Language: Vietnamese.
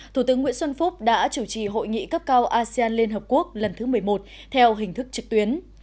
thủ tướng nguyễn xuân phúc đã chủ trì hội nghị cấp cao asean lhq lần thứ một mươi một theo hình thức trực tuyến